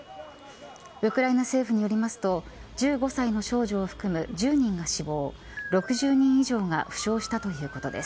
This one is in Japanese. ウクライナ政府によりますと１５歳の少女を含む１０人が死亡、６０人以上が負傷したということです。